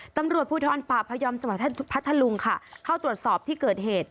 ตำรวจผู้ท้อนป่าพยอมสมาชิกพัทธลุงค่ะเข้าตรวจสอบที่เกิดเหตุ